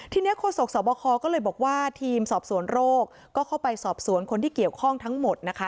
ทีนี้โฆษกสวบคก็เลยบอกว่าทีมสอบสวนโรคก็เข้าไปสอบสวนคนที่เกี่ยวข้องทั้งหมดนะคะ